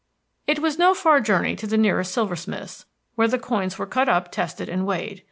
It was no far journey to the nearest silversmiths, where the coins were cut up, tested, and weighed.